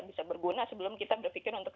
bisa berguna sebelum kita berpikir untuk